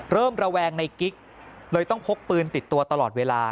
ระแวงในกิ๊กเลยต้องพกปืนติดตัวตลอดเวลา